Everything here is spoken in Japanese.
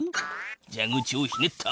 蛇口をひねった。